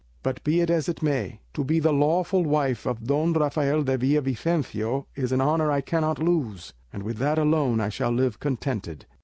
But be it as it may, to be the lawful wife of Don Rafael de Villavicencio is an honour I cannot lose, and with that alone I shall live contented.